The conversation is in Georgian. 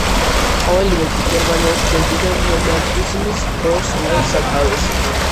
ყოველივე კი გერმანიაში ჯერ კიდევ რომანტიზმის დროს იღებს სათავეს.